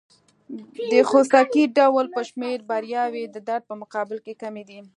د خوسکي ډول په شمېر بریاوې د درد په مقابل کې کمې دي.